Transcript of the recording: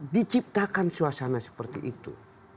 diciptakan suasana seperti itu